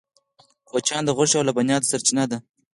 کوچیان د غوښې او لبنیاتو سرچینه ده